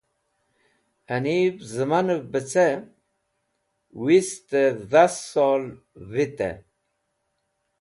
Haniv zẽmunev be ce, wist-e dhas sol vite.